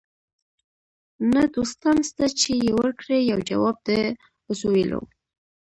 نه دوستان سته چي یې ورکړي یو جواب د اسوېلیو